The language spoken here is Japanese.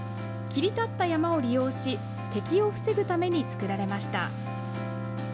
切り立った山を利用し、敵を防ぐために作られました。